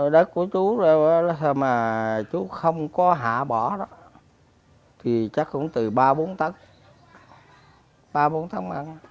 đất của chú đâu mà chú không có hạ bỏ đó thì chắc cũng từ ba bốn tấn ba bốn tháng ăn